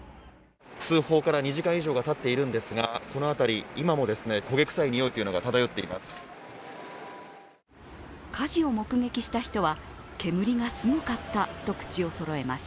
通報から２時間以上がたっているんですが、この辺り、今も焦げ臭いにおいが漂っています。